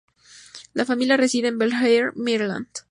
La familia reside en Bel Air, Maryland.